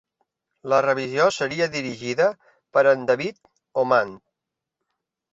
La revisió seria dirigida per en David Omand.